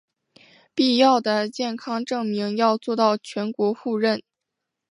必要的健康证明要做到全国互认